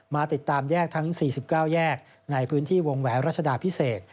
มาติดตามแยกทั้ง๔๙แยกในพื้นที่วงแหวนรัชดาพิเศษ